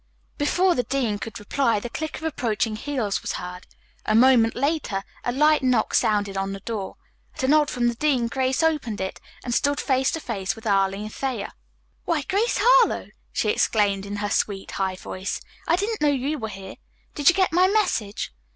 Before the dean could reply the click of approaching heels was heard. A moment later a light knock sounded on the door. At a nod from the dean, Grace opened it, and stood face to face with Arline Thayer. "Why, Grace Harlowe!" she exclaimed in her sweet, high voice. "I didn't know you were here. Did you get my message?